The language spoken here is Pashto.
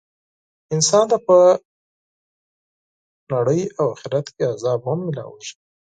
انسان ته په دنيا او آخرت کي عذاب هم ميلاويږي .